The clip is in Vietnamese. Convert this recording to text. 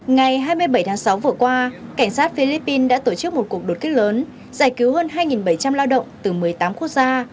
ngày hai mươi bảy tháng sáu vừa qua cảnh sát philippines đã tổ chức một cuộc đột kích lớn giải cứu hơn hai bảy trăm linh lao động từ một mươi tám quốc gia